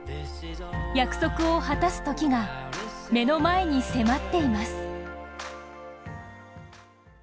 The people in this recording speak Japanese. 約束をはたすときが目の前に迫っています。